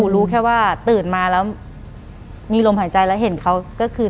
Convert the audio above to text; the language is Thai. หลังจากนั้นเราไม่ได้คุยกันนะคะเดินเข้าบ้านอืม